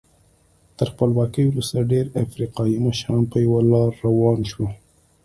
تر خپلواکۍ وروسته ډېری افریقایي مشران په یوه لار روان شول.